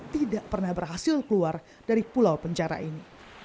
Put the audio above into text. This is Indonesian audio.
tidak pernah berhasil keluar dari pulau penjara ini